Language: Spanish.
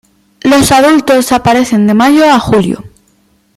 Los adultos aparecen de mayo a julio.